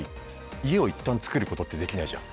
家を一旦つくることってできないじゃん。